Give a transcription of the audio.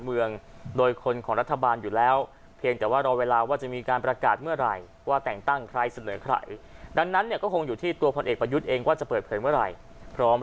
เพราะว่าคงไม่มีใครตอบแทนท่านได้นะครับ